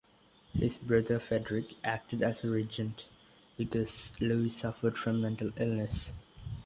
His brother Frederick acted as regent, because Louis suffered from mental illness.